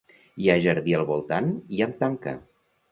Hi ha jardí al voltant i amb tanca.